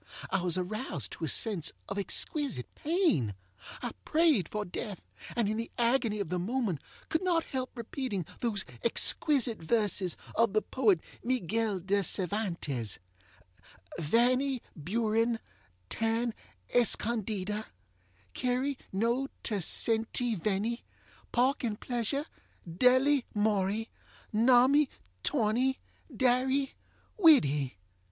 I was aroused to a sense of exquisite pain. I prayed for death, and, in the agony of the moment, could not help repeating those exquisite verses of the poet Miguel De Cervantes: Vanny Buren, tan escondida Query no te senty venny Pork and pleasure, delly morry Nommy, torny, darry, widdy!